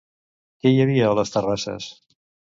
Qui hi havia a les terrasses?